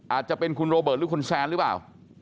อาจจะเป็นคุณโรเบิร์ตหรือคุณแซนหรือเปล่า